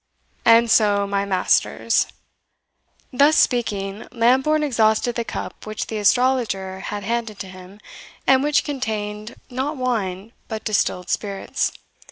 And so, my masters " Thus speaking, Lambourne exhausted the cup which the astrologer had handed to him, and which contained not wine, but distilled spirits.